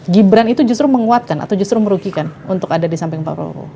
gibran itu justru menguatkan atau justru merugikan untuk ada di samping pak prabowo